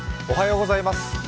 おはようございます。